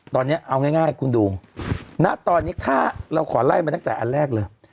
ตอนนี้เอาง่ายคุณดูณตอนนี้ถ้าเราขอไล่มาตั้งแต่อันแรกเลย